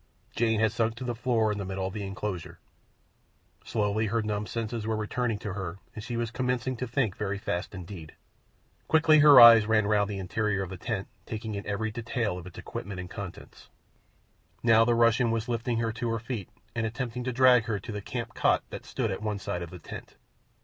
Jane had sunk to the floor in the middle of the enclosure. Slowly her numbed senses were returning to her and she was commencing to think very fast indeed. Quickly her eyes ran round the interior of the tent, taking in every detail of its equipment and contents. Now the Russian was lifting her to her feet and attempting to drag her to the camp cot that stood at one side of the tent.